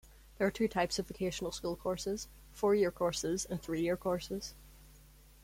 There are two types of vocational school courses: four-year courses and three-year courses.